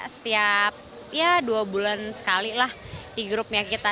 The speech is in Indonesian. setiap ya dua bulan sekali lah di grupnya kita